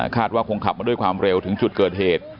ว่าคงขับมาด้วยความเร็วถึงจุดเกิดเหตุ